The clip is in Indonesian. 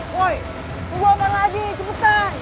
woi tunggu abang lagi cepetan